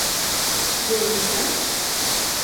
— Йолышташ?